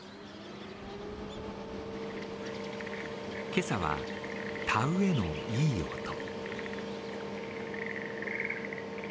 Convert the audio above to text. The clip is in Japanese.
今朝は、田植えのいい音。